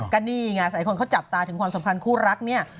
กันนี่ไงใส่คนเขาจับตาถึงความสำคัญคู่รักเนี่ย